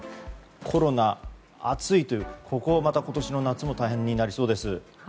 コロナ、暑いという今年の夏も大変になりそうです。